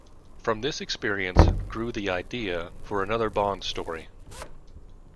From this experience grew the idea for another Bond story.